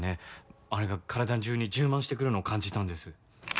あれが体中に充満してくるのを感じたんです。